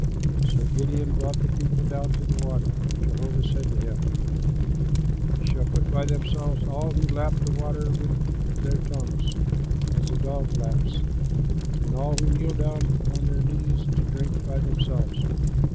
So Gideon brought the people down to the water. And Jehovah said to him, "You shall put by themselves all who lap the water with their tongues, as a dog laps, and all who kneel down on their knees to drink by themselves."